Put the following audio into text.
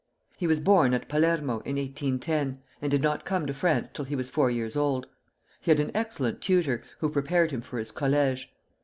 He was born at Palermo in 1810, and did not come to France till he was four years old. He had an excellent tutor, who prepared him for his collège.